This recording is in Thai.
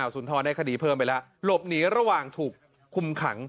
สุนทรได้คดีเพิ่มไปแล้วหลบหนีระหว่างถูกคุมขัง